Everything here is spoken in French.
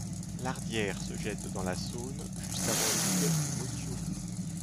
L'Ardière se jette dans la Saône juste avant l'île du Motio.